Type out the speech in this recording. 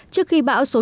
trước khi bão số chín